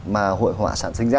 mà hội họa sản sinh ra